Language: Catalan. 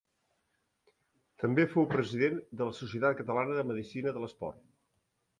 També fou president de la Societat Catalana de Medicina de l’Esport.